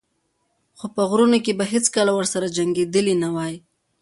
خو په غرونو کې به یې هېڅکله ورسره جنګېدلی نه وای.